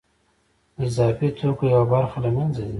د اضافي توکو یوه برخه له منځه ځي